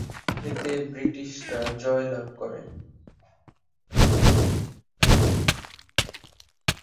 এতে ব্রিটিশরা জয়লাভ করে।